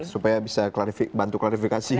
supaya bisa bantu klarifikasi